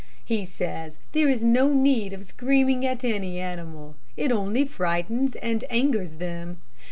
He says there is no need of screaming at any animal. It only frightens and angers them.